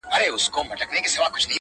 ښایستې د مور ملوکي لکه زرکه سرې دي نوکي،